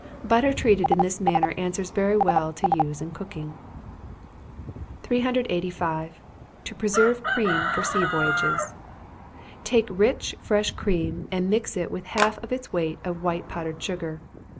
Butter treated in this manner answers very well to use in cooking. 385. To preserve Cream for Sea Voyages. Take rich, fresh cream, and mix it with half of its weight of white powdered sugar.